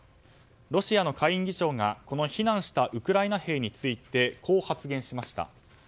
ロシアの下院議長が避難したウクライナ兵についてこう発言しました。